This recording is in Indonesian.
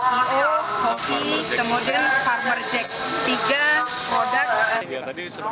memohon agar pedagang pedagang juga tidak memajang lagi produk produk